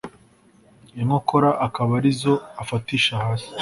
inkokora akaba arizo afatisha hasi